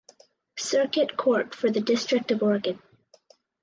Circuit Court for the District of Oregon.